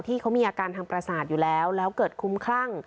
ที่เขามีอาการทางประสาทอยู่แล้วแล้วเกิดคุ้มคลั่ง